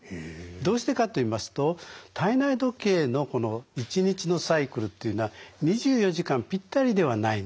どうしてかといいますと体内時計のこの一日のサイクルっていうのは２４時間ぴったりではないんですね。